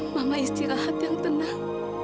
mama istirahat yang tenang